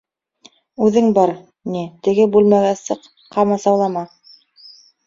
Үҙең бар, ни, теге бүлмәгә сыҡ, ҡамасаулама!